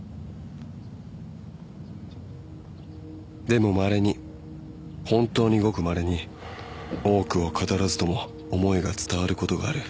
［でもまれに本当にごくまれに多くを語らずとも思いが伝わることがある］